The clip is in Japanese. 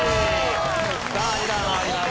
さあ２段上がります。